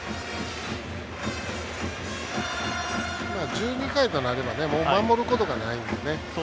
１２回になれば守ることがないので。